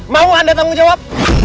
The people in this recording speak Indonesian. mau anda tanggung jawab